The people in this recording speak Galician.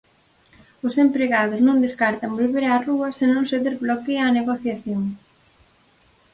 Os empregados non descartan volver ás rúas se non se desbloquea a negociación.